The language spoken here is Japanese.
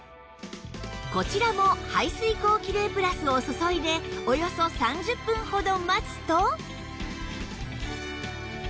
こちらも排水口キレイプラスを注いでおよそ３０分ほど待つと